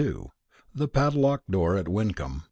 THE PADLOCKED DOOR AT WYNCOMB.